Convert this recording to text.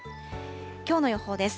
きょうの予報です。